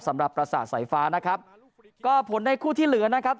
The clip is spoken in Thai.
ประสาทสายฟ้านะครับก็ผลในคู่ที่เหลือนะครับ